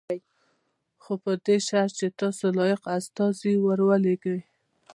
خو په دې شرط چې تاسو لایق استازی ور ولېږئ.